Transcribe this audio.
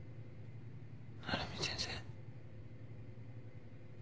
鳴海先生。